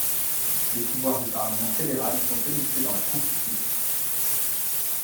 Les pouvoirs du parlement fédéral sont énoncés dans la Constitution.